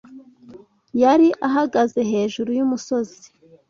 Yari ahagaze hejuru yumusozi.